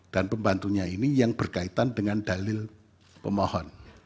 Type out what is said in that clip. dan pembantunya ini yang berkaitan dengan dalil pemohon